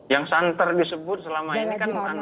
yang santer disebut selama ini kan anup andika